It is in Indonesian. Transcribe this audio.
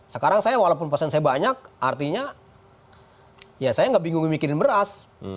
sekarang saya walaupun pasien saya banyak artinya ya saya nggak bingung bikin beras